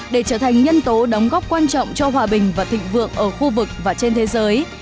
để trở thành nhân tố đóng góp quan trọng cho hòa bình và thịnh vượng ở khu vực vài